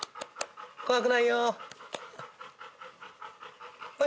怖くないよ。